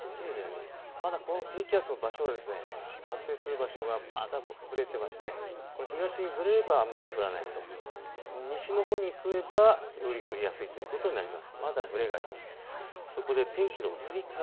まだこの低気圧の場所が発生する場所がぶれていまして東にぶれればあまり降らないと、西のほうに来ればより降りやすいということになります。